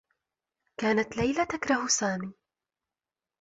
كانت ليلى تكره سامي.